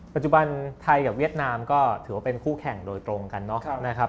ปัจจุบันไทยกับเวียดนามก็ถือว่าเป็นคู่แข่งโดยตรงกันเนาะนะครับ